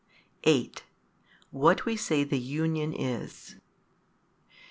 8. What we say the union is.